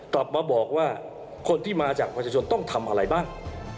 กลับมาบอกว่าคนที่มาจากประชาชนต้องทำอะไรบ้าง